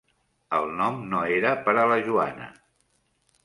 El nom no era per a la Joana.